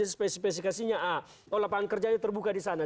spesifikasinya oh lapangan kerja terbuka di sana